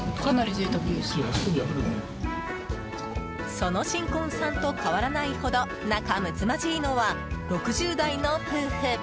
その新婚さんと変わらないほど仲睦まじいのは、６０代の夫婦。